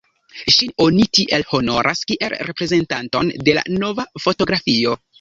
Ŝin oni tiel honoras kiel reprezentanton de la "Nova fotografio".